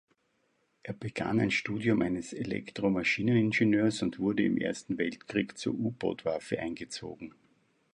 Er begann ein Studium eines Elektro-Maschineningenieurs und wurde im Ersten Weltkrieg zur U-Boot-Waffe eingezogen.